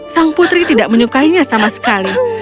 sang putri tidak menyukainya sama sekali